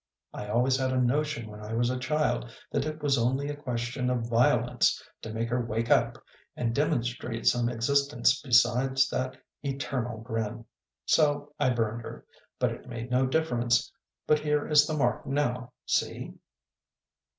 I always had a notion when I was a child that it was only a question of violence to make her wake up and demonstrate some existence besides that eternal grin. So I burned her, but it made no difference; but here is the mark now see."